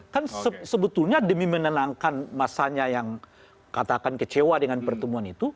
kan sebetulnya demi menenangkan masanya yang katakan kecewa dengan pertemuan itu